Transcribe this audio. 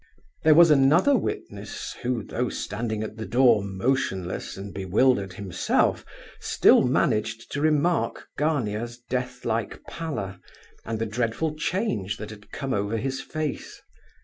There was another witness, who, though standing at the door motionless and bewildered himself, still managed to remark Gania's death like pallor, and the dreadful change that had come over his face.